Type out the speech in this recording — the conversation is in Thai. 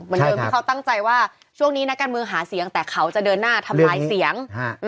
เดิมที่เขาตั้งใจว่าช่วงนี้นักการเมืองหาเสียงแต่เขาจะเดินหน้าทำลายเสียง